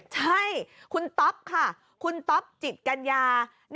ใช่คุณต๊อปค่ะคุณต๊อปจิตกัญญา